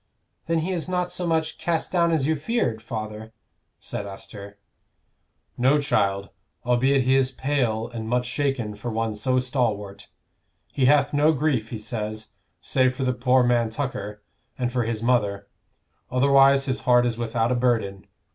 "Then he is not so much cast down as you feared, father?" said Esther. "No, child; albeit he is pale and much shaken for one so stalwart. He hath no grief, he says, save for the poor man Tucker, and for his mother; otherwise his heart is without a burden.